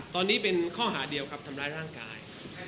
ตอนนี้เป็นข้อหาเดียวครับทำร้ายร่างกาย